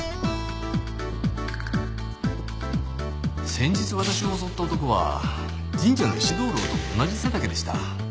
先日私を襲った男は神社の石灯籠と同じ背丈でした。